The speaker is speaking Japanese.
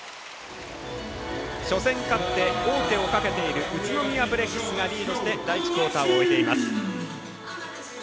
初戦勝って、王手をかけている宇都宮ブレックスがリードして第１クオーターを終えています。